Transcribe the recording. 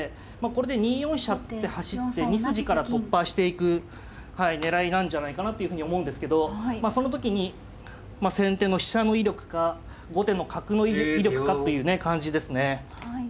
これで２四飛車って走って２筋から突破していく狙いなんじゃないかなっていうふうに思うんですけどその時にまあ先手の飛車の威力か後手の角の威力かというね感じですね。